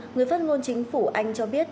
người phát ngôn chính phủ anh cho biết